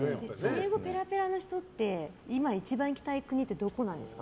英語ペラペラの人って今、一番行きたい国ってどこなんですか？